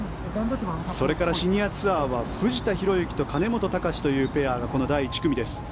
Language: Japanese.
それからシニアツアーは藤田寛之と兼本貴司というペアがこの第１組です。